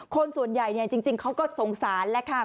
คนส่วนใหญ่จริงเขาก็สงสารแล้วค่ะ